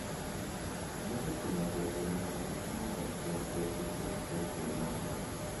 No se conoce el mecanismo de acción preciso del fármaco.